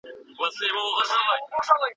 پر مځکي باندې ډېر خوندور انځر پراته وو.